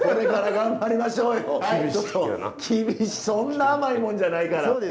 そんな甘いもんじゃないから。